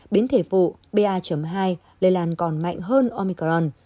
biến thể phụ ba hai lây lan còn mạnh hơn omicron